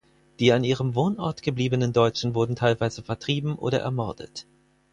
Die an ihrem Wohnort gebliebenen Deutschen wurden teilweise vertrieben oder ermordet.